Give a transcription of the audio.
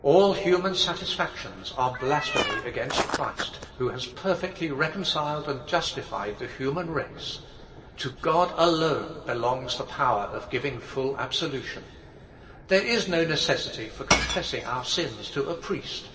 All human satisfactions are blasphemy against Christ, who has perfectly reconciled and justified the human race. To God alone belongs the power of giving full absolution. There is no necessity for confessing our sins to a priest.